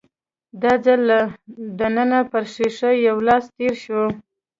دا ځل له دننه پر ښيښه يو لاس تېر شو.